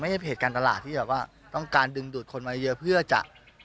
เพจการตลาดที่แบบว่าต้องการดึงดูดคนมาเยอะเพื่อจะ